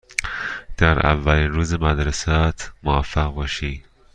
در اولین روز مدرسه ات موفق باشی.